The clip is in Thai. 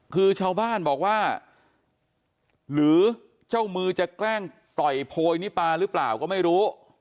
คือชาวบ้านบอกว่าหรือเจ้ามือจะแกล้งปล่อยโพยนิปาหรือเปล่าก็ไม่รู้